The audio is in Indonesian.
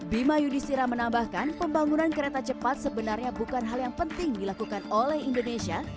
bima yudhistira menambahkan pembangunan kereta cepat sebenarnya bukan hal yang penting dilakukan oleh indonesia